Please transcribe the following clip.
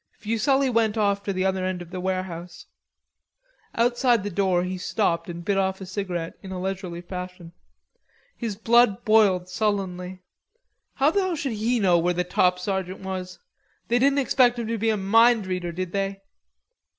Fuselli went off to the other end of the warehouse. Outside the door he stopped and bit off a cigarette in a leisurely fashion. His blood boiled sullenly. How the hell should he know where the top sergeant was? They didn't expect him to be a mind reader, did they?